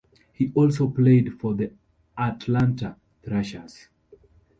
He also played for the Atlanta Thrashers.